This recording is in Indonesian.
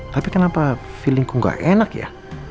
tapi kenapa feelingku gak enak ya